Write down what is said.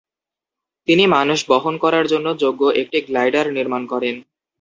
তিনি মানুষ বহন করার যোগ্য একটি গ্লাইডার নির্মাণ করেন।